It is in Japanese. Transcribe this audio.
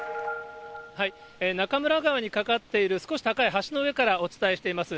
中村川に架かっている少し高い橋の上からお伝えしています。